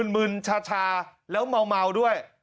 มึนชาแล้วเมาด้วย